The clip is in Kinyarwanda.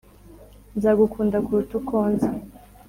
nzagukunda kuruta uko nzi